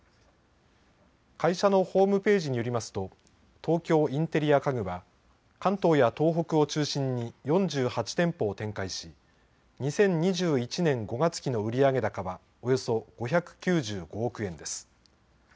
会社のホームページによりますと東京インテリア家具は関東や東北を中心に４８店舗を展開し、２０２１年５月期の売上高はおよそ５９５億円です。